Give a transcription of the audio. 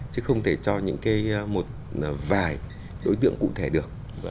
chứ không thể cho những cái một vài đối tượng cụ thể được